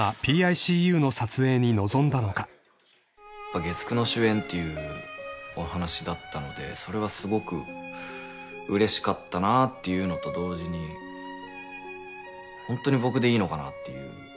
［今回］月９の主演っていうお話だったのでそれはすごくうれしかったなっていうのと同時にホントに僕でいいのかなっていう。